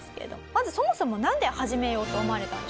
まずそもそもなんで始めようと思われたんでしょうか？